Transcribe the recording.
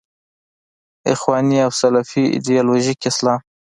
اخواني او سلفي ایدیالوژیک اسلام.